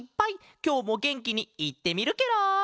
きょうもげんきにいってみるケロ！